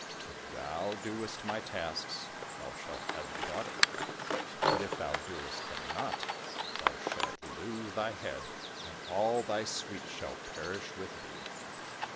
If thou doest my tasks, thou shalt have my daughter ; but if thou doest them not, thou shalt lose thy head, and all thy suite shall perish with thee."